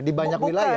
di banyak wilayah